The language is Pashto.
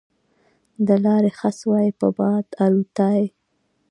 د لارې خس وای په باد الوتای